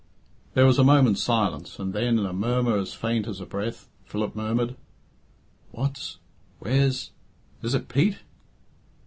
There was a moment's silence, and then, in a voice as faint as a breath, Philip murmured. "What's where's is it Pete?"